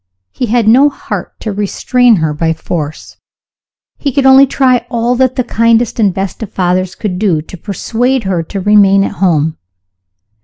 He had no heart to restrain her by force he could only try all that the kindest and best of fathers could do to persuade her to remain at home.